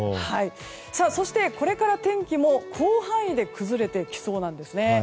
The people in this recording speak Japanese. そして、これから天気も広範囲で崩れてきそうなんですね。